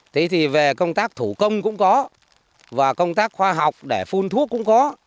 thế thì về công tác thủ công cũng có và công tác khoa học để phun thuốc cũng có